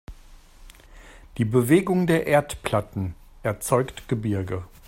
Die Bewegung der Erdplatten erzeugt Gebirge.